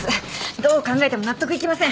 どう考えても納得いきません！